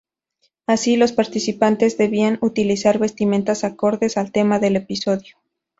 Así, los participantes debían utilizar vestimentas acordes al tema del episodio.